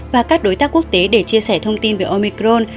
và các đối tác quốc tế để chia sẻ thông tin về omicron